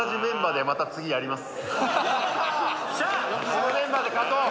このメンバーで勝とう。